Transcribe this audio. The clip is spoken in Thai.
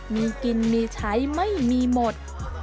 มีกินมีใช้ไม่มีหมด